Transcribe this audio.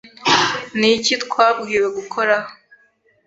Ni iki twabwiwe gukora?